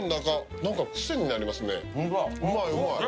なんか癖になりますね。